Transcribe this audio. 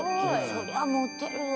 「そりゃモテるわ」